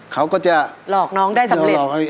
เขาก็จะหลอกน้องได้สำเร็จ